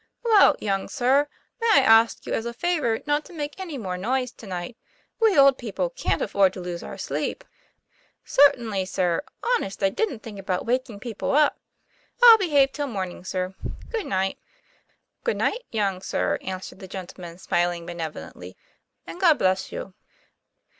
" Well, young sir, may I ask you as a favor not to make any more noise to night ? We old people can't afford to lose our sleep." "Certainly, sir; honest, I didn't think about wak ing people up. I'll behave till morning, sir; good .night." TOM PLAY FAIR. 145 " Good night, young sir," answered the gentleman smiling benevolently, '''and God bless you!